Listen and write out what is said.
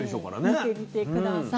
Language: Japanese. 見てみて下さい。